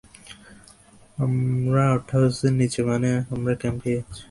আমরা আউটহাউজের নিচে, মানে আমরা ক্যাম্পেই আছি।